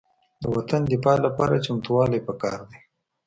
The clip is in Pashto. د وطن دفاع لپاره چمتووالی پکار دی.